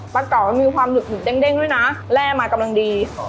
ปลาเก่าด้วยมีความถูกหยุ่นเด้งด้วยนะแลกมากำลังดี